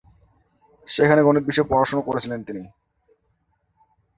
সেখানে গণিত বিষয়ে পড়াশুনো করেছিলেন তিনি।